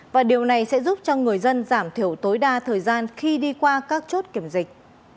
và điều này sẽ giúp cho người dân giảm thiểu tối đa thời gian khi đi qua các chốt kiểm dịch